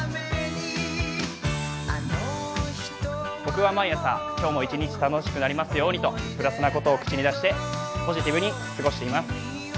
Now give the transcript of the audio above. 僕は毎朝、今日も一日楽しくなりますようにとプラスなことを口に出してポジティブに過ごしています。